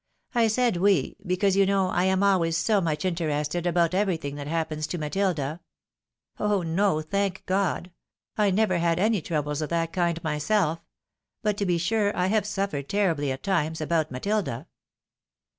I said we, because you know, I am always so much interested about everything that happens to Matilda. Oh no ! thank God ! I never had any troubles of that kind myself ; but, to be sure, I have suffered terribly at times, about Matilda.